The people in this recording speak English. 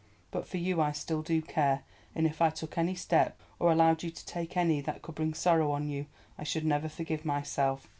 But for you I still do care, and if I took any step, or allowed you to take any that could bring sorrow on you, I should never forgive myself.